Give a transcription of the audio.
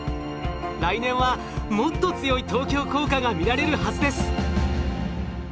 来年はもっと強い東京工科が見られるはずです。